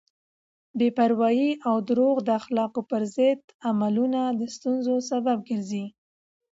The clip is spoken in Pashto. بې پروایی او دروغ د اخلاقو پر ضد عملونه د ستونزو سبب ګرځي.